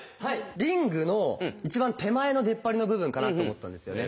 リングの一番手前の出っ張りの部分かなと思ったんですよね。